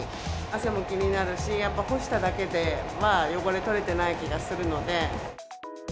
汗も気になるし、やっぱ干しただけでは、汚れ取れてない気がするので。